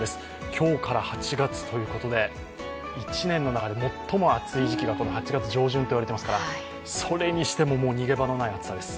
今日から８月ということで、１年の中で最も暑い時期が８月上旬と言われていますから、それにしても、もう逃げ場のない暑さです。